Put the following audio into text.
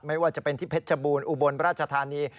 ไม่ว่าจะเป็นที่เพชรบูรณ์อุบลราชธานี